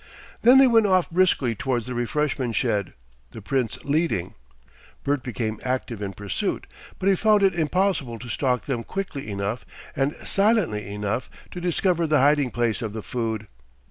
Then they went off briskly towards the refreshment shed, the Prince leading. Bert became active in pursuit; but he found it impossible to stalk them quickly enough and silently enough to discover the hiding place of the food.